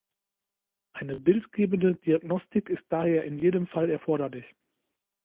Eine bildgebende Diagnostik ist daher in jedem Fall erforderlich.